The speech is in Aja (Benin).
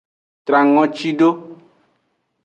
Tran ngoci do.